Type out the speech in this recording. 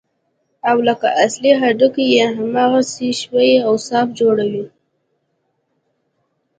او لکه اصلي هډوکي يې هماغسې ښوى او صاف جوړوي.